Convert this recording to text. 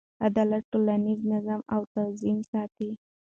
عدالت ټولنیز نظم او توازن ساتي.